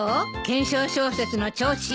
懸賞小説の調子？